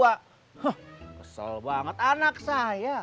wah kesel banget anak saya